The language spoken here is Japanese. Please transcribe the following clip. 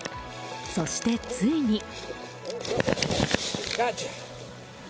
そして、ついに。